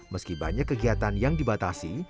meski banyak kegiatan yang dibatasi